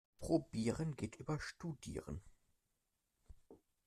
Probieren geht über Studieren.